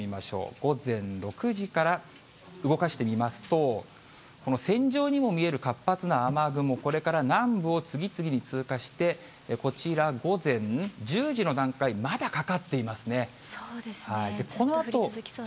午前６時から動かしてみますと、この線状にも見える活発な雨雲、これから南部を次々に通過して、こちら午前１０時の段階、まだかかっていますね。